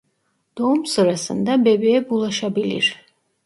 Doğum sırasında bebeğe bulaşabilir.